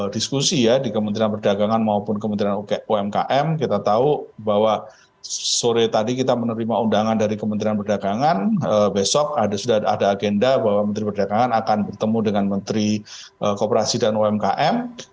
diskusi ya di kementerian perdagangan maupun kementerian umkm kita tahu bahwa sore tadi kita menerima undangan dari kementerian perdagangan besok sudah ada agenda bahwa menteri perdagangan akan bertemu dengan menteri kooperasi dan umkm